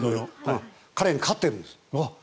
彼に勝ってるんです。